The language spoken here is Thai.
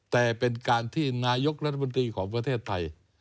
แต่เป็นการที่นายกรัฐมนตรีของประเทศไทย